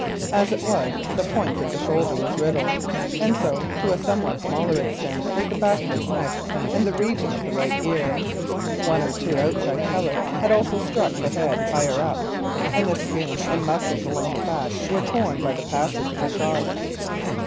As it was, the point of the shoulder was riddled, and so to a somewhat smaller extent was the back of his neck and the region of the right ear. One or two outside pellets had also struck the head higher up, and the skin and muscles along the back were torn by the passage of shot.